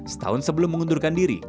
setahun sebelum mengundurkan diri